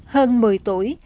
hơn một mươi tuổi